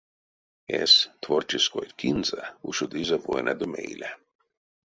Эсь творческой кинзэ ушодызе войнадо мейле.